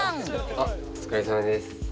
あっお疲れさまです。